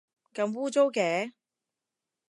咁污糟嘅